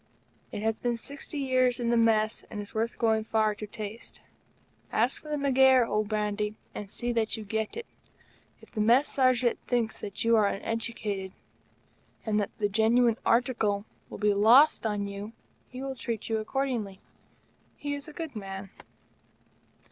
It has been sixty years in the Mess and is worth going far to taste. Ask for the "McGaire" old brandy, and see that you get it. If the Mess Sergeant thinks that you are uneducated, and that the genuine article will be lost on you, he will treat you accordingly. He is a good man.